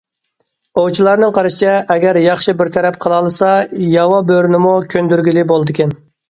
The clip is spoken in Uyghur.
ئوۋچىلارنىڭ قارىشىچە، ئەگەر ياخشى بىر تەرەپ قىلالىسا ياۋا بۆرىنىمۇ كۆندۈرگىلى بولىدىكەن.